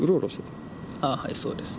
はい、そうです。